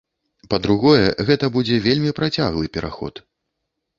Па-другое, гэта будзе вельмі працяглы пераход.